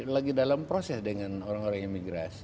lagi dalam proses dengan orang orang imigrasi